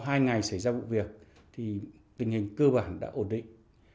hai ngày xảy ra vụ việc thì tình hình cơ bản đã ổn định